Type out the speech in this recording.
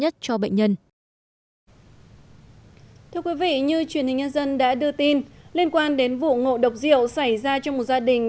thưa quý vị như truyền hình nhân dân đã đưa tin liên quan đến vụ ngộ độc rượu xảy ra trong một gia đình